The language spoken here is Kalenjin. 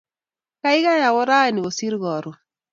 kaikai awo raini kosir karon.